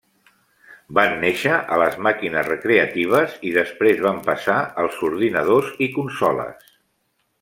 Van néixer a les màquines recreatives i després van passar als ordinadors i consoles.